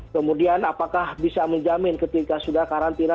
kemudian apakah bisa menjamin ketika sudah karantina